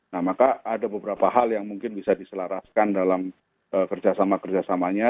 nah maka ada beberapa hal yang mungkin bisa diselaraskan dalam kerjasama kerjasamanya